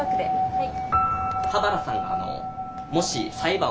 はい。